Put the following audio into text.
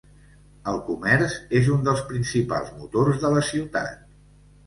El comerç és un dels principals motors de la ciutat.